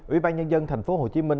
ủy ban nhân dân tp hcm